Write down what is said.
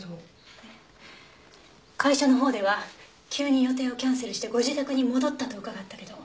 会社の方では急に予定をキャンセルしてご自宅に戻ったと伺ったけど。